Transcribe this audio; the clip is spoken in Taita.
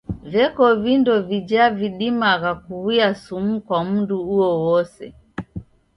Veko vindo vija vidimagha kuw'uya sumu kwa mndu uowose.